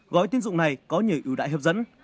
gói tiến dụng này có nhiều ưu đại hấp dẫn